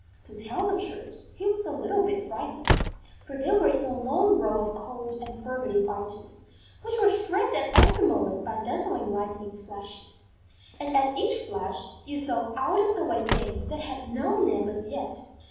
To tell the truth, he was a little bit frightened, for they were in a long row of cold and forbidding arches, which were streaked at every moment by dazzling lightning flashes; and, at each flash, you saw out of the way things that had no name as yet.